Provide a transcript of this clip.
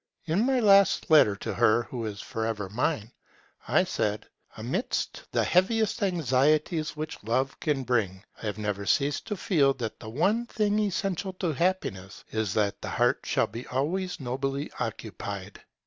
In my last letter to her who is for ever mine, I said: 'Amidst the heaviest anxieties which Love can bring, I have never ceased to feel that the one thing essential to happiness is that the heart shall be always nobly occupied'.